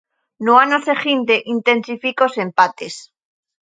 No ano seguinte, intensifica os empates.